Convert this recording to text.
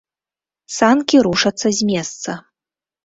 Санкі рушацца з месца.